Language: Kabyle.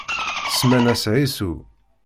Semman-as Ɛisu.